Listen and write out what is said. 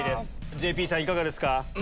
ＪＰさんいかがですか？